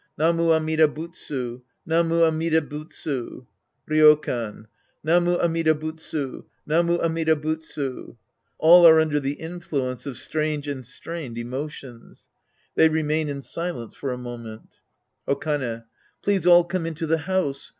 Namu Amida Butsu ! Namu Amida Butsu ! Ryokan. Namu Amida Butsu ! Namu Amida Butsu ! (All are under the influence of strange and strained emotions. They remain in silence for a moment^ Okane. Please all come into the house.